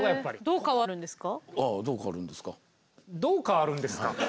どう変わるんですか。